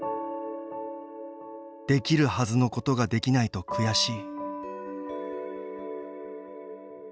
「できるはずのことができないと悔しい」